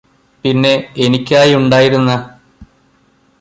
പിന്നെ എനിക്കായി ഉണ്ടായിരുന്ന